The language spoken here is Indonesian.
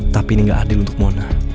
tapi ini gak adil untuk monar